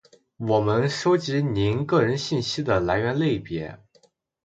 我们收集您个人信息的来源类别；